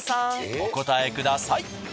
お答えください。